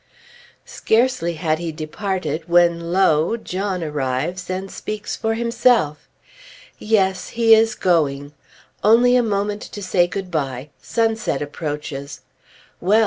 Scarcely had he departed, when lo! John arrives, and speaks for himself. Yes! he is going! Only a moment to say good bye ... sunset approaches. Well!